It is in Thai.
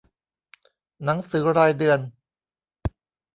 หนังสือรายเดือน